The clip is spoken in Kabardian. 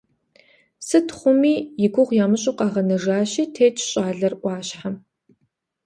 Сыту хъуми, и гугъу ямыщӏу къагъэнэжащи, тетщ щӏалэр ӏуащхьэм.